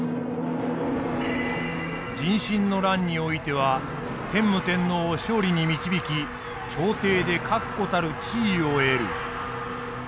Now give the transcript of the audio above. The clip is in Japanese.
壬申の乱においては天武天皇を勝利に導き朝廷で確固たる地位を得る。